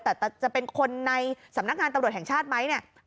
แต่จะเป็นคนในสำนักงานตำรวจแห่งชาติไหมเนี่ย